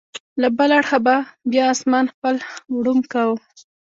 له بل اړخه به بیا اسمان خپل غړومب کاوه.